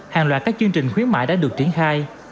hàng loạt các chương trình khuyến mại đã được triển khai